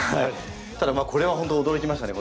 ただこれは本当驚きましたね。